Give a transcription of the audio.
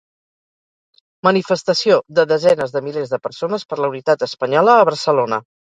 Manifestació de desenes de milers de persones per la unitat espanyola a Barcelona.